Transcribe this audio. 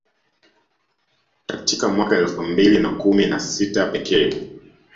Katika mwaka elfu mbili na kumi na sita pekee